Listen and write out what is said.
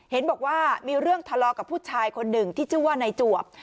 เห็นบอกว่ามีเรื่องทะเลาะกับผู้ชายคนหนึ่งที่ชื่อว่านายจวบ